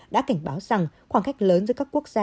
đã cảnh báo rằng khoảng cách lớn giữa các quốc gia